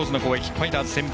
ファイターズ先発